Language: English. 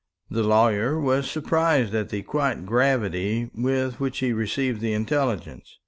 The lawyer was surprised at the quiet gravity with which he received the intelligence.